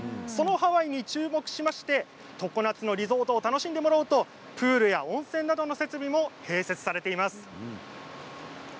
そのハワイに注目しまして常夏のリゾートを楽しんでもらおうとプールや温泉などの設備も併設されています。